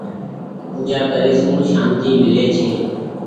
پوجآ ڪري سون سانتي ميلي ڇي۔